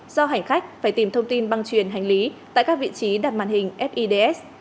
do hành khách phải tìm thông tin băng truyền hành lý tại các vị trí đặt màn hình fids